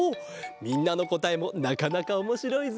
みんなのこたえもなかなかおもしろいぞ。